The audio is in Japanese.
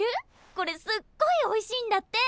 これすっごいおいしいんだって！